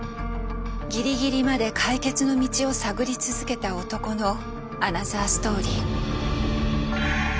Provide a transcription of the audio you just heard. ギリギリまで解決の道を探り続けた男のアナザーストーリー。